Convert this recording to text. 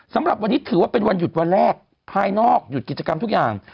สำหรับวันนี้ถือว่าเป็นวันหยุดวันแรกภายนอกหยุดกิจกรรมทุกอย่าง